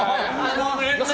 ごめんね！